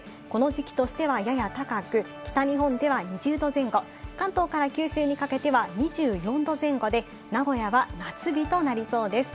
この時期としてはやや高く、北日本では２０度前後、関東から九州にかけては２４度前後で、名古屋は夏日となりそうです。